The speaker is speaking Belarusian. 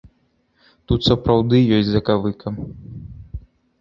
Тут сапраўды ёсць закавыка.